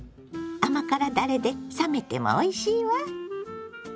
甘辛だれで冷めてもおいしいわ。